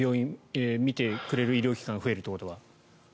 診てくれる医療機関が増えるということは。